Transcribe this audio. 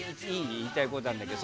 言いたいことあるんだけど。